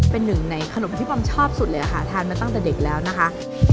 เป็นหนึ่งในขนมที่บอมชอบสุดเลยค่ะทานมาตั้งแต่เด็กแล้วนะคะ